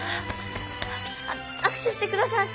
あっ握手して下さい！